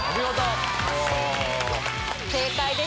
正解です！